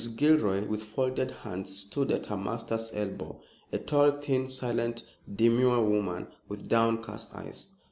Gilroy, with folded hands, stood at her master's elbow, a tall, thin, silent, demure woman with downcast eyes.